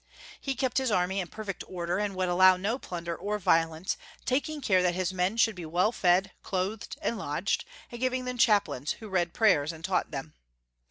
He kept liis army in perfect order, and would allow no plunder or violence, taking care that his men should be well fed, clothed, and lodged, and giving them chaplains, who read prayers and taught them.